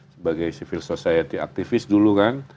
sebagai civil society aktivis dulu kan